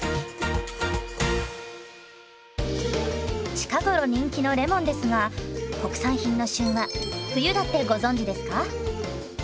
近頃人気のレモンですが国産品の旬は冬だってご存じですか？